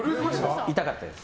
痛かったです。